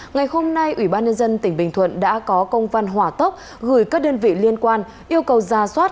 ngày hôm nay ủy ban nhân dân tỉnh bình thuận đã có công văn hỏa tốc gửi các đơn vị liên quan yêu cầu ra soát